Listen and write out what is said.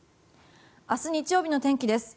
明日日曜日の天気です。